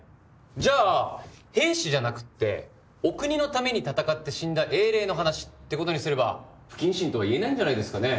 じゃあ兵士じゃなくってお国のために戦って死んだ英霊の話ってことにすれば不謹慎とは言えないんじゃないですかね。